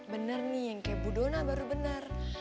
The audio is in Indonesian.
bener nih yang kayak bu dona baru bener